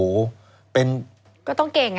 ก็ต้องเก่งอ่ะ